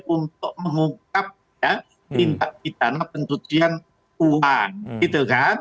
untuk mengungkap tindak pidana penutupian uang